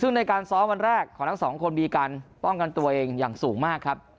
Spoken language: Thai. ซึ่งในการซ้อมวันแรกของทั้งสองคนมีการป้องกันตัวเองอย่างสูงมากครับ